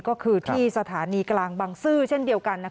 ก็คือที่สถานีกลางบังซื้อเช่นเดียวกัน